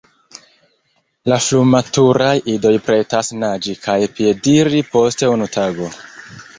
La frumaturaj idoj pretas naĝi kaj piediri post unu tago.